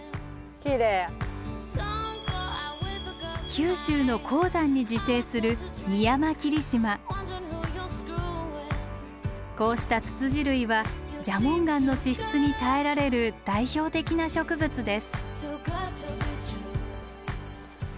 九州の高山に自生するこうしたツツジ類は蛇紋岩の地質に耐えられる代表的な植物です。